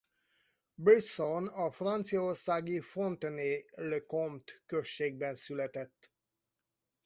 Brisson a franciaországi Fontenay-le-Comte községben született.